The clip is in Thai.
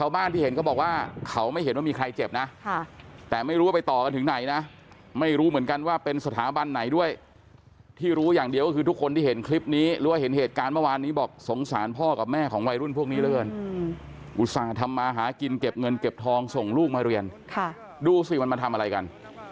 บ้านที่เห็นเขาบอกว่าเขาไม่เห็นว่ามีใครเจ็บนะแต่ไม่รู้ว่าไปต่อกันถึงไหนนะไม่รู้เหมือนกันว่าเป็นสถาบันไหนด้วยที่รู้อย่างเดียวก็คือทุกคนที่เห็นคลิปนี้หรือว่าเห็นเหตุการณ์เมื่อวานนี้บอกสงสารพ่อกับแม่ของวัยรุ่นพวกนี้เหลือเกินอุตส่าห์ทำมาหากินเก็บเงินเก็บทองส่งลูกมาเรียนดูสิมันมาทำอะไรกัน